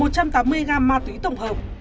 và một tổng cục hải quản